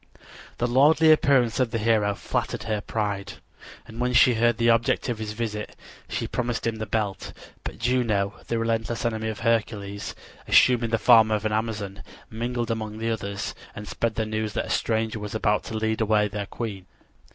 The lordly appearance of the hero flattered her pride, and when she heard the object of his visit, she promised him the belt. But Juno, the relentless enemy of Hercules, assuming the form of an Amazon, mingled among the others and spread the news that a stranger was about to lead away their queen.